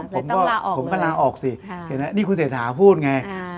ผมก็ผมก็ลาออกสิเห็นไหมนี่คุณเศรษฐาพูดไง